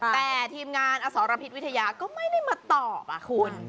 แต่ทีมงานอสรพิษวิทยาก็ไม่ได้มาตอบคุณ